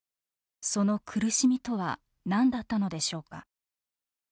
その苦しみとは何だったのでしょうか。